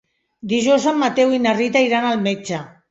Dijous en Mateu i na Rita iran al metge.